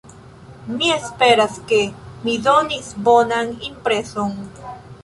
Mi esperas, ke mi donis bonan impreson.